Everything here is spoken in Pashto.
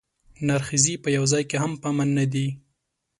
نرښځي په یوه ځای کې هم په امن نه دي.